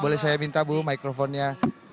boleh saya minta bu microphone nya